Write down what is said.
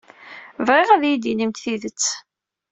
Bɣiɣ ad iyi-d-inimt tidet.